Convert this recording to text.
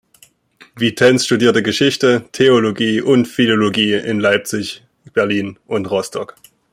Vitense studierte Geschichte, Theologie und Philologie in Leipzig, Berlin und Rostock.